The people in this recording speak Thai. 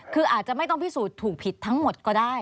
คืออาจจะไม่ต้องพิสูจน์ถูกผิดทั้งหมดก็ได้